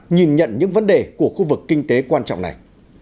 nhìn nhận những vấn đề của khu vực kinh tế quan trọng này